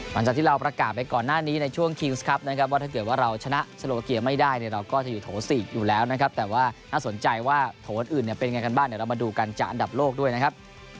หลังจากที่เราประกาศไปก่อนหน้านี้ในช่วงคิวส์ครับนะครับว่าถ้าเกิดว่าเราชนะสโลเกียไม่ได้เนี่ยเราก็จะอยู่โถ๔อยู่แล้วนะครับแต่ว่าน่าสนใจว่าโถอันอื่นเนี่ยเป็นยังไงกันบ้างเดี๋ยวเรามาดูกันจากอันดับโลกด้วยนะครับ